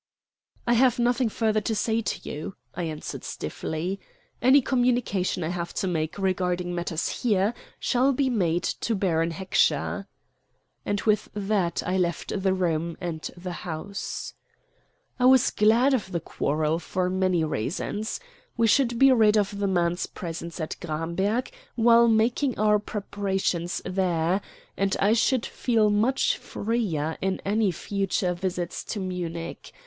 "I have nothing further to say to you," I answered stiffly. "Any communication I have to make regarding matters here shall be made to Baron Heckscher." And with that I left the room and the house. I was glad of the quarrel for many reasons. We should be rid of the man's presence at Gramberg while making our preparations there; and I should feel much freer in any future visits to Munich.